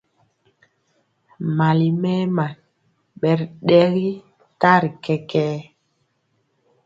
Mali mɛma bɛ ri dɛyɛ tari kɛkɛɛ.